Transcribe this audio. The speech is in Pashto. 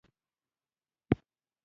هیلۍ د هجرت په وخت کلونه یو مسیر تعقیبوي